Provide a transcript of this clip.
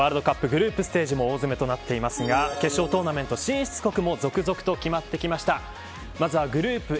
グループステージも大詰めとなっていますが決勝トーナメント進出国も続々と決まってきました、グループＡ。